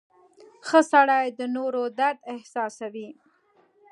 • ښه سړی د نورو درد احساسوي.